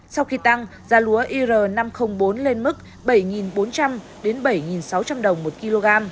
sau khi tăng giá lúa ir năm trăm linh bốn lên mức bảy bốn trăm linh bảy sáu trăm linh đồng một kg